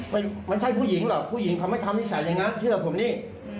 มันมันใช่ผู้หญิงหรอกผู้หญิงเขาไม่ทำนิสัยอย่างนั้นเชื่อผมนี่